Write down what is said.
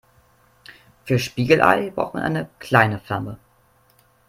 Für Spiegelei braucht man eine kleine Flamme.